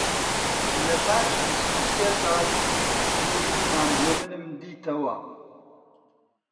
لە پاش بیست و سێ ساڵ دووری، مام هێمنیم دیتەوە